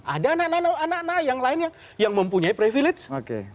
ada anak anak yang lain yang mempunyai privilege